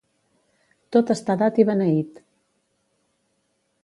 Tot està dat i beneït.